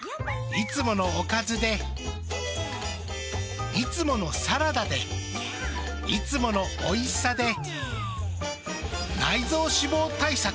いつものおかずでいつものサラダでいつものおいしさで内臓脂肪対策。